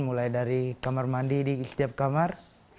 mulai dari kamar mandi di setiap kamar